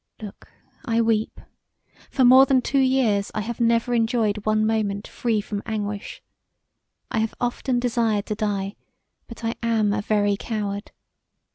Look, I weep: for more than two years I have never enjoyed one moment free from anguish. I have often desired to die; but I am a very coward.